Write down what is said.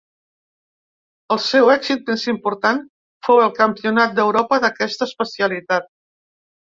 El seu èxit més important fou el Campionat d'Europa d'aquesta especialitat.